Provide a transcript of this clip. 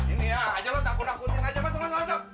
ini ya aja lo takut takutin aja betul betul